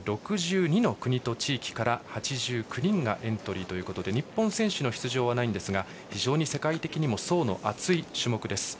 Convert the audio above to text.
６２の国と地域から８９人がエントリーということで日本選手の出場はないんですが非常に世界的にも層の厚い種目。